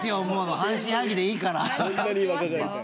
もう半信半疑でいいから。